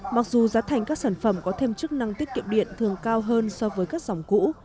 mặc dù giá thành các sản phẩm có thêm chức năng tiết kiệm điện thường cao hơn so với các dòng cũ